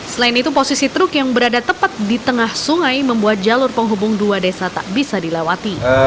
selain itu posisi truk yang berada tepat di tengah sungai membuat jalur penghubung dua desa tak bisa dilewati